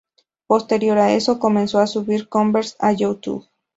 Posterior a eso, comenzó a subir covers a YouTube.